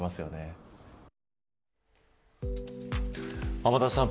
天達さん